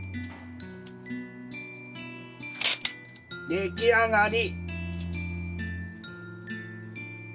出来上がり！